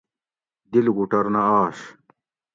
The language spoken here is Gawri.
دی لوکوٹور نہ آش